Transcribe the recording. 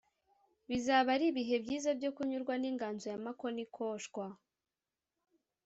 Bizaba ari ibihe byiza byo kunyurwa n’inganzo ya Mako Nikoshwa